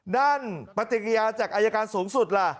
ด้านปฏิกิริยาจากอายการสูงสุดล่ะ